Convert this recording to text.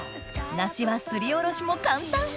梨はすりおろしも簡単！